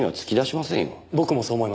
僕もそう思います。